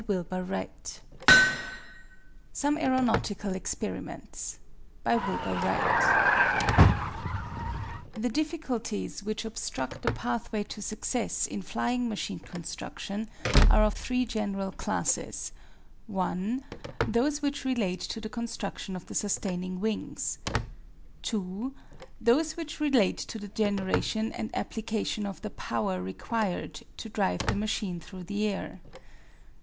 Some Aeronautical Experiments By Wilbur Wright The difficulties which obstruct the pathway to success in flying machine construction are of three general classes: (1) Those which relate to the construction of the sustaining wings. (2) Those which relate to the generation and application of the power required to drive the machine through the air.